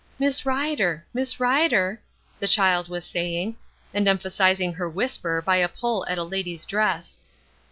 "Miss Rider, Miss Rider," the child was saying, and emphasizing her whisper by a pull at a lady's dress.